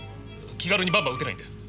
気軽にバンバン撃てないんだよ。